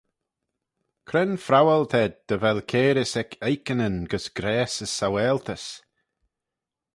Cre'n phrowal t'ayd dy vel cairys ec oikanyn gys grayse as saualtys?